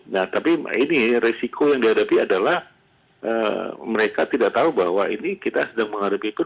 nah tapi ini resiko yang dihadapi adalah mereka tidak tahu bahwa ini kita sedang menghadapi itu